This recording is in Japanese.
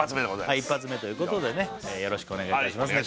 一発目ということでねよろしくお願いいたします